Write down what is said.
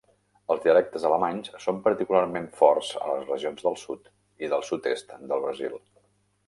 Els dialectes alemanys són particularment forts a les regions del sud i del sud-est del Brasil.